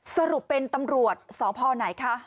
สรุปเป็นตำรวจสพไหนคะ